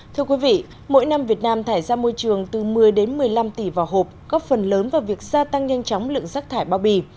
thưa quý vị mỗi năm việt nam thải ra môi trường từ một mươi một mươi năm tỷ vào hộp góp phần lớn vào việc gia tăng nhanh chóng lượng rác thải bao bì